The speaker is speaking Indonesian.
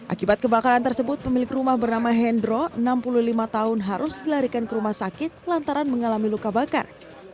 akibat kebakaran tersebut pemilik rumah bernama hendro enam puluh lima tahun harus dilarikan ke rumah sakit lantaran mengalami luka bakar